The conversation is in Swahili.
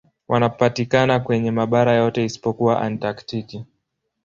Wanapatikana kwenye mabara yote isipokuwa Antaktiki.